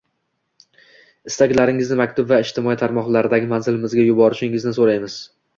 Istaklaringizni maktub va ijtimoiy tarmoqdagi manzilimizga yuborishingizni so‘raymiz.